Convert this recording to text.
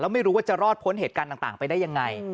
ไม่รู้ว่าจะรอดพ้นเหตุการณ์ต่างไปได้ยังไง